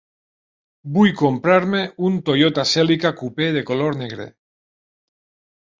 Vull comprar-me un Toyota Celica Coupé de color negre.